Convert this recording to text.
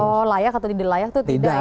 oh layak atau tidak layak itu tidak ya